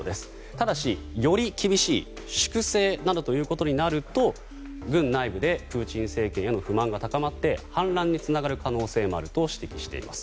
ただし、より厳しい粛清などということになると軍内部でプーチン政権への不満が高まって反乱につながる可能性もあると指摘しています。